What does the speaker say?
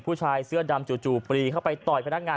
ผู้ชายเสื้อดำจู่ปรีเข้าไปต่อยพนักงาน